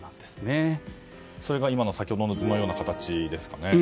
それが先ほどの図のような形ですかね。